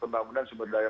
pembangunan sumber daya